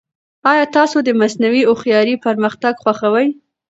ایا تاسو د مصنوعي هوښیارۍ پرمختګ خوښوي؟